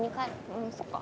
んんそっか。